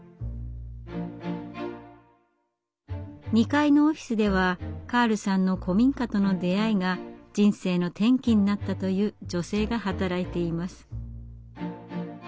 ２階のオフィスではカールさんの古民家との出会いが人生の転機になったという女性が働いています。